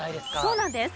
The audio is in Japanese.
そうなんです。